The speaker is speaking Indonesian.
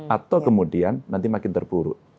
atau kemudian nanti makin terpuruk